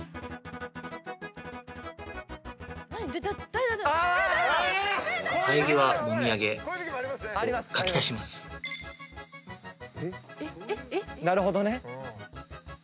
誰⁉なるほどね。